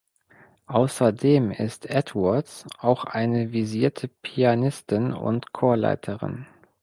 Außerdem ist Edwards auch eine versierte Pianistin und Chorleiterin.